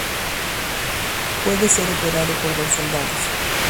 Puede ser operado por dos soldados.